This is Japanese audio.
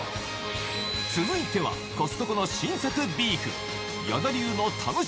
続いては、コストコの新作ビーフ。